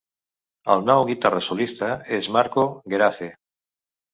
El nou guitarra solista és Marco Gerace.